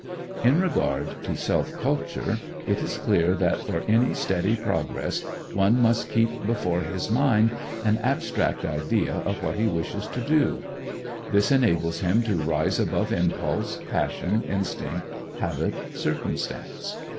In regard to self culture, it is clear that for any steady progress one must keep before his mind an abstract idea of what he wishes to do. This enables him to rise above impulse, passion, instinct, habit, circumstance.